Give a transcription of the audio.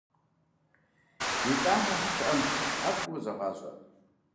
«ИтӀанэ» щыӀэнукъым, ар фӀыуэ зэгъащӀэ!